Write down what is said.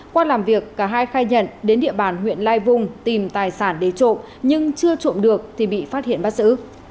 qua làm việc cả hai khai nhận đến địa bàn huyện lai vung tìm tài sản để trộm nhưng chưa trộm được thì bị phát hiện bắt giữ